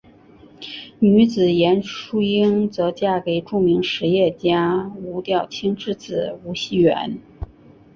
女子严淑英则嫁给著名实业家吴调卿之子吴熙元。